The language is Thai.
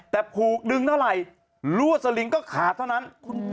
แต่ผูกดึงเท่าไหร่ลั่วสลิงก็ขาดเท่านั้น